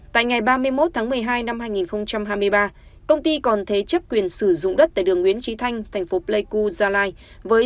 tại ngày ba mươi một tháng một mươi hai năm hai nghìn hai mươi ba công ty còn thế chấp quyền sử dụng đất tại đường nguyễn trí thanh thành phố pleiku gia lai